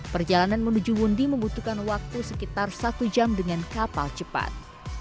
perjalanan menuju wundi membutuhkan waktu sekitar satu jam dengan kapal cepat